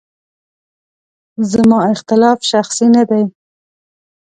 زما اختلاف شخصي نه دی.